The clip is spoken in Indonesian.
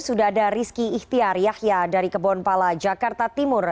sudah ada rizky ihtiar yahya dari kebonpala jakarta timur